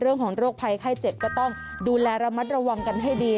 โรคภัยไข้เจ็บก็ต้องดูแลระมัดระวังกันให้ดี